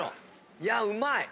いやうまい！